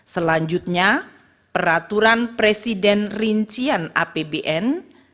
selanjutnya peraturan presiden rincian apbn